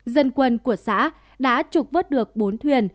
dân quân của xã đã trục vớt được bốn thuyền